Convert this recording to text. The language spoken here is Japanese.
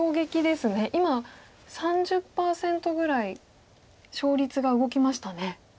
今３０％ぐらい勝率が動きましたね。